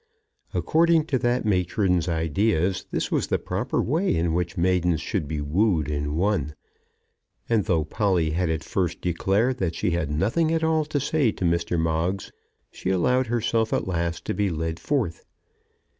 According to that matron's ideas this was the proper way in which maidens should be wooed and won; and, though Polly had at first declared that she had nothing at all to say to Mr. Moggs, she allowed herself at last to be led forth.